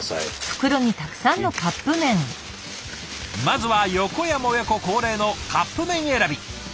まずは横山親子恒例のカップ麺選び。